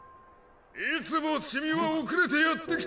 いつもチミは遅れてやってきた。